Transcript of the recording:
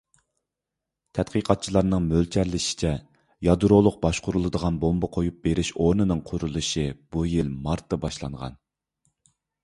تەتقىقاتچىلارنىڭ مۆلچەرلىشىچە، يادرولۇق باشقۇرۇلىدىغان بومبا قويۇپ بېرىش ئورنىنىڭ قۇرۇلۇشى بۇ يىل مارتتا باشلانغان.